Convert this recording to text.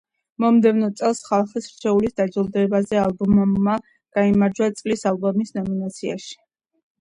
მომდევნო წელს ხალხის რჩეულის დაჯილდოებაზე ალბომმა გაიმარჯვა წლის ალბომის ნომინაციაში.